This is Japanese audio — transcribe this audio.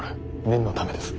念のためです。